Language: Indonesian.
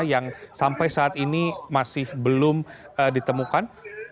yang sampai saat ini masih belum ditemukan